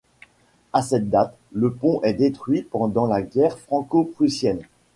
À cette date, le pont est détruit pendant la guerre franco-prussienne.